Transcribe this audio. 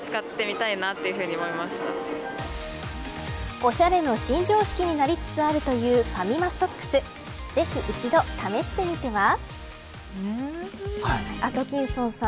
おしゃれの新常識になりつつあるというファミマソックスアトキンソンさん